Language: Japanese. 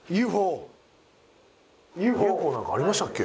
Ｕ．Ｆ．ＯＵ．Ｆ．Ｏなんかありましたっけ？